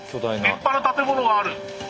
立派な建物がある。